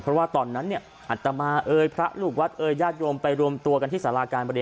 เพราะว่าตอนนั้นเนี่ยอัตมาเอ่ยพระลูกวัดเอ่ยญาติโยมไปรวมตัวกันที่สาราการบริ